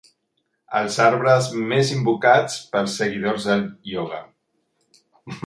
Els arbres més invocats pels seguidors del ioga.